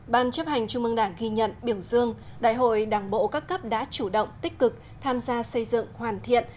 ban chấp hành trung mương đảng ghi nhận biểu dương đại hội đảng bộ các cấp đã chủ động tích cực tham gia xây dựng hoàn thiện